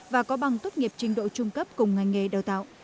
và có bằng tốt nghiệp trình độ trung cấp cùng ngành nghề đào tạo